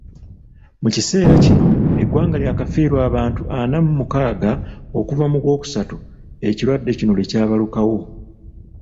Mu kiseera kino eggwanga lyakafiirwa abantu ana mu mukaaga okuva mu gw'okusatu ekirwadde kino lwe kyabalukawo.